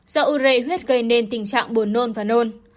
do u rê huyết gây nên tình trạng buồn nôn và nôn